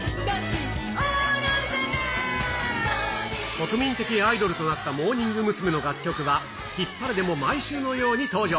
国民的アイドルとなったモーニング娘。の楽曲は、ヒッパレでも毎週のように登場。